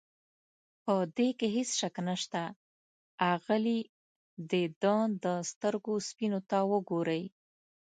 په دې کې هېڅ شک نشته، اغلې د ده د سترګو سپینو ته وګورئ.